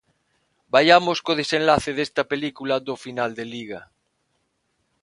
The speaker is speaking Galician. Vaiamos co desenlace desta película do final de Liga.